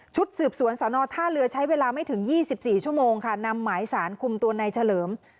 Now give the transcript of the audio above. สืบสวนสอนอท่าเรือใช้เวลาไม่ถึง๒๔ชั่วโมงค่ะนำหมายสารคุมตัวในเฉลิม